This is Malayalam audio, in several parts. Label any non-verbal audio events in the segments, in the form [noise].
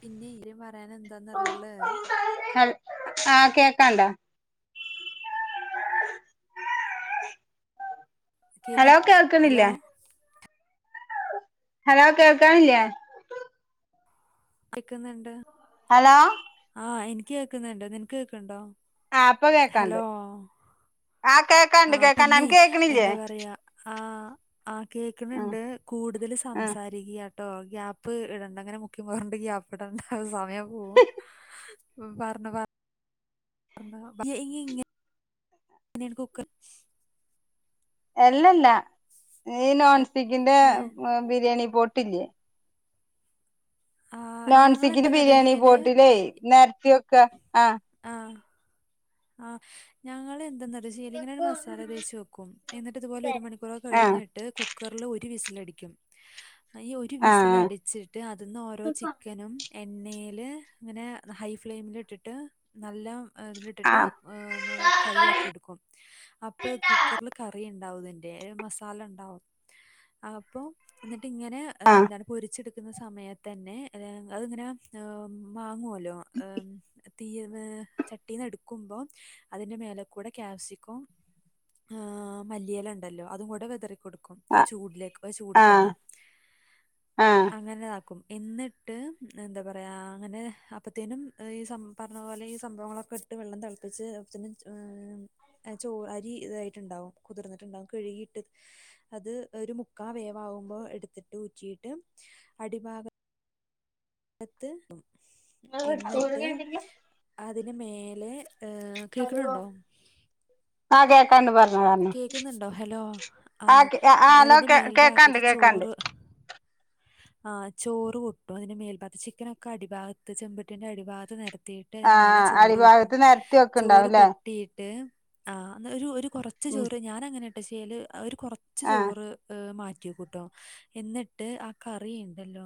പിന്നെ ഇവര് പറയാന് എന്താന്നറിയൊള്ളെ ആഹ് കേക്കാണ്ടാ കേക്ക ഹലോ ഹലോ കേൾക്കണില്ലേ ഹലോ കേൾക്കാനില്ലെ കേക്ക്ന്ന്ണ്ട് ഹലോ ആഹ് എനിക്ക് കേക്കുന്ന്ണ്ട് നിനക്ക് കേക്ക്ണ്ടോ ആഹ് ഇപ്പൊ കേക്കാണ്ട് ആഹ് ആ കേക്കാണ്ട് കേക്കാണ്ട് പിന്നെ അനക്ക് കേ എന്താ പറയാ ആഹ് ആഹ് കേക്കണുണ്ട് കൂടുതല് ആഹ് സംസാരിക്കാ ട്ടോ ഗ്യാപ്പ് ഇടണ്ട ങ്ങനെ മുക്കി മൊർണ്ട് ഗ്യാപ്പ് ഇടണ്ട സമയിം പോവും പർഞ്ഞോ പർ എഇങ്ങ നൻ കുക്കർ എല്ലല്ല ഈ നോൺ സ്റ്റിക്കിന്റെ ബിരിയാണി പോട്ടില്ലേ ആ നോൺ ഞങ്ങൾ സ്റ്റിക്കിന്റെ എന്താന്നറിയോ ബിരിയാണി ചെയ്യല് പോട്ടിലേ നെര്ത്തി വെക്ക ആ ആഹ് ആ ഞങ്ങളെന്തെന്ന ന്താചീയലിങ്ങനൺ മസാല തേച്ച് വക്കും എന്നിട്ട് ഇതുപോലെ ഒരു ആഹ് മണിക്കൂറക്കഴിഞ്ഞിട്ട് കു കുക്കർ ല് ഒരു വിസിലടിക്കും ഈ ഒരു ആഹ് വിസിലടിച്ചിട്ട് അതിന്ന് ഓരോ ചിക്കനും എണ്ണീല് ങ്ങനെ ഹൈ ഫ്ലെയിമിലിട്ടിട്ട് നല്ല തിലിട്ടിട്ട് ആഹ് ഫ്രൈ ആക്കിട്ക്കും അപ്പൊ കുക്കർല് കറി ണ്ടാവുതിന്റെ മസാല ണ്ടാവും അപ്പൊ ന്നട്ട് ങ്ങനെ ആഹ് ന്താണ് പൊരിച്ചെടുക്കുന്ന സമയ തന്നെ അത്ങ്ങനെ മാങ്ങോല്ലോ തീയ് ന്ന് ചട്ടീന്നെട്ക്കുമ്പോ അതിന്റെ മേല കൂടെ ക്യാപ്സിക്കോ മല്ലിയേല ണ്ടല്ലോ അതു കൂടെ വെതറിക്കൊടുക്കും ആ ആഹ് ചൂടിലേക്ക് ആ ആഹ് ചൂട്ക്കന്നെ ആഹ് അങ്ങനെതാക്കും എന്നിട്ട് എന്താ പറയാ അങ്ങനെ അപ്പത്തേനുംഈ സം അ പോലെ ഈ സംഭവങ്ങളൊക്കെ ട്ട് വെള്ളം തളപ്പിച്ച് [unintelligible] ചോ അരി തായ്ട്ട്ണ്ടാവും കുതിർന്ന്ട്ട് ണ്ടാവും കഴുകിട്ട് അത് ഒരു മുക്കാ വേവാവുമ്പോ എടുത്തിട്ട് ഉറ്റീ ട്ട് അടിഭാഗ ത്ത് എന്നിട്ട് അതിന് മേലെ ഏ കേക്ക്ണ് ണ്ടോ ആഹ് കേക്കാണ്ട് പറഞ്ഞോ പറഞ്ഞോ കേക്കുന്നുണ്ടോ ഹലോ ആ ആ ആഹ് അലോ അതിന്റെ കേക്കാണ്ട് മേൽഭാഗത്ത് കേക്കാണ്ട് ആ ചോറ് കൊട്ടും അതിന്റെ മേൽഭാ ചിക്കനൊക്കെ അടിഭാഗത്ത് ചെമ്പട്ടിന്റടിഭാത്ത് നെരത്തി ട്ടയ്ന്റെ മേലെ ആഹ് ചോറ് കൊട്ടും അടിഭാഗത്ത് നെരത്തി ചോറ് വെക്ക്ണ്ടാവുംല്ലേ കൊട്ടീട്ട് ആ ഒരു ഒരു കൊർ ഉം ഞാനങ്ങനെട്ടോ ചീയ്യല് ഒര് കൊറച്ച് ആഹ് ചോറ് മാറ്റ്യേക്കൂട്ടോ എന്നിട്ട് ആ കറിണ്ടല്ലോ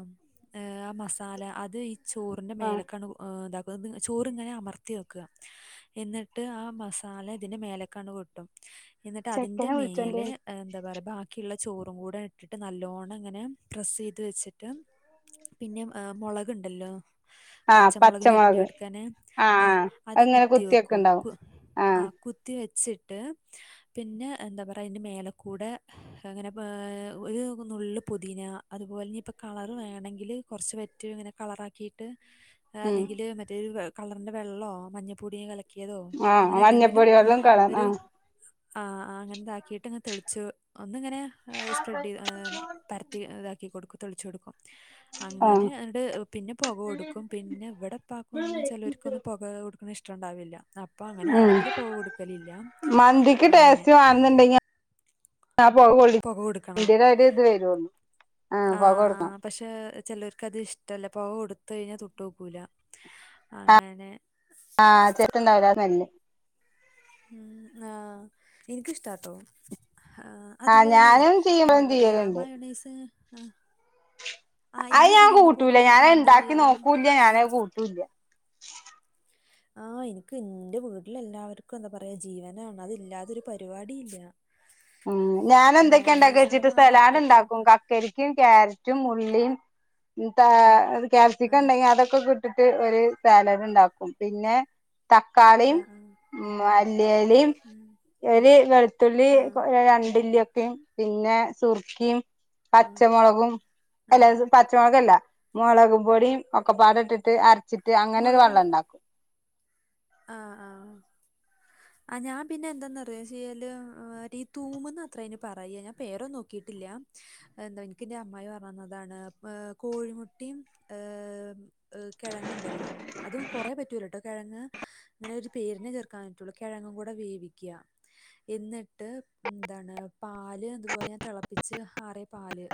ആഹ് മസാല അതീ ചോറിന്റെ ആഹ് മേലക്കാണ് താക്കും ചോറിങ്ങനെ അമർത്തി വെക്ക എന്നിട്ട് ആ മസാല തിന്റെ മേലക്കൺ കൊട്ടും ന്നിട്ടതിന്റെ ചെക്കനെ മേലെ വിളിച്ചോണ്ടേനി എന്താ പറയ ബാക്കിള്ള ചോറും കൂടെ ട്ടിട്ട് നല്ലോണം ങ്ങനെ പ്രസ്സീത് വെച്ട്ട് പിന്നെ മൊളക്ണ്ടല്ലോ പച്ചമൊളക് ഞെട്ടിഓട്ക്കനെ ആ ആഹ് അത് അത്ങ്ങനെ കുത്തി വെക്കും കുത്തിവെക്ക്ണ്ടാവും പ്പ് ആഹ് കുത്തി വെച്ട്ട് പിന്നെ ന്താ പറയ അയ്ന്റെ മേലക്കൂടെ ങ്ങനെ ഒരു നുള്ള് പൊതീന അത്പോലെ ഞ്ഞിപ്പ കളറ് വേണങ്കില് കൊർച്ച് വറ്റ് ങ്ങനെ കളറാക്കിട്ട് ഉം അല്ലങ്കില് മറ്റേ കളർന്റെ വെള്ളോ മഞ്ഞപ്പൊടിയു കല ക്ക്യേതോ ആഹ് ങ്ങനെ ന്തെങ്കിലും മഞ്ഞപ്പൊടി വെള്ളം കളർ ഒര് ആഹ് ആഹ് ആഹ് അങ്ങൻതാക്കിട്ട് ങ്ങൻ തെൾച്ചു ഒന്നിങ്ങനെ സ്പ്രെഡീത് പരത്തി താക്കി കൊടുക് തെൽച്ചോട്ക്കും ആഹ് അങ്ങനെ ട് പിന്നെ പൊക കൊട്ക്കും പിന്നെ വടെ പ്പാക്കും ചെലോര്ക്കൊന്നും പൊക കൊടുക്കണ ഷ്ട്ട ട്ടണ്ടാവില്ല അപ്പൊ അങ്ങനാണെങ്കില് പോകൊട്ക്കലില്ല ഇക്ക് ടേസ്റ്റ് വാണന്ന്ണ്ടെങ്കിൽ ഞ്ഞാൻ പോവൊള്ള പുക കൊടുക്കണം ഇൻ്റെലയ്ൻ്റിത് വരുവള്ളു ആ ഇപ്പാകൊട്ക്കാം. പക്ഷെ ചിലർക്കത് ഇഷ്ടല്ല പൊക കൊടുത്ത കഴിഞ്ഞാ തൊട്ടോക്കൂല അങ്ങനെ. ആഹ് ചെത്തുണ്ടാവില്ല അനല്ലേ. ഉം ആഹ് ഇൻക്കിഷ്ട്ടാട്ടോ ആഹ്. അതുപോലെയ് ഞാനും എന്ത ചെയ്യുമ്പോഴും പറയാ ചെയ്യലുണ്ട് മയൊണൈസ് ആ. ആഹ് അത് ഇയ്യ് ഞാൻ ബിര്യാണി പോട്ടില്ല എന്ത് ചെയ്യല്. ന്നെ കൂട്ടുല്ല. ഉ [inaudible] ആഹ് ഇന്ക്ക് ഇന്റെ വീട്ടിലെല്ലാവർക്കു എന്തപറയാ ജീവനാണ് അത് ഇല്ലാതൊരു പരിപാടില്ല. ഉം ഞാനെന്തെക്കെ ഇണ്ടാക്കച്ചിട്ട് എന്ന് പറഞ്ഞ സലാഡ്ണ്ടാക്കും ഒപ്പത്തിനൊപ്പം ക കരിക്കിം ക്യാരറ്റും ഉള്ളിയും താ ആ ആ ക്യാപ്സിക്കണ്ടെങ്കി അതൊക്കെ കൂ ട്ടിട്ട് ഒര് സാലഡ്ണ്ടാക്കും പിന്നെ. ആ തക്കാളിം ആ ഉം മല്ലിയലിം ഉം ഒര് വെൾത്തുള്ളി. ആ രണ്ടില്ല്യൊക്കിം പിന്നെ സുർക്കിം ആ പച്ചമുളകും ആ അല്ല. പച്ചമുളകല്ല മുളകുപൊടിം ഒക്കപ്പാടട്ട്ട്ട് അര്ച്ചിട്ട് അങ്ങനെരു വള്ളണ്ടാക്കും. ആഹ് ആഹ്. ആഹ് ഞാൻ പിന്നെ എന്തന്നറിയോ ചെയ്യല് ആ രീ തൂമ്ന്നത്രേ അയ്ന് പറയ ഞാൻ പേരൊന്നോക്കിട്ടില്ല. അ എന്താ ഇൻക്ക്ന്റെ അമ്മായി പർഞ്ഞന്നതാണ് ഏഹ് കോഴിമുട്ടിം ഏഹ്. എഹ് കെഴങ്ങങ്ണ്ടല്ലോ അതും കൊറേ പറ്റൂലട്ടോ കെഴങ്ങ്. അങ്ങനൊരു പേര്നെ ചേർക്കാൻ പറ്റുള്ളൂ കെഴങ്ങുംകൂടെ വേവിക്ക്യ. എന്നിട്ട് എന്താണ് പാല് അതുപോലെ ഞാൻ തിളപ്പിച്ച് ആറിയ പാല്.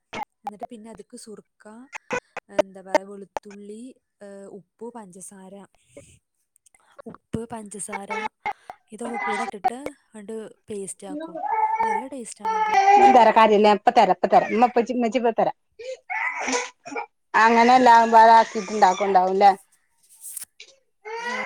എന്നിട്ട് പിന്നതുക്ക് സുർക്ക. എന്തപറയാ വെളുത്തുള്ളി ഏഹ് ഉപ്പ് പഞ്ചസാര. ഉപ്പ് പഞ്ചസാര ഇതൊക്കെകൂടെട്ട്ട്ട് അണ്ട്. പേസ്റ്റാക്കും നല്ല ടേസ്റ്റാണത്. തരാം അങ്ങനെ. ല്ലാവുമ്പൊ അതാക്കീട്ട്ണ്ടാക്കണ്ടാവും ലേ. ആഹ്.